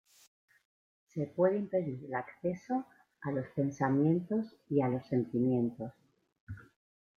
Se puede impedir el acceso a los pensamientos y a los sentimientos.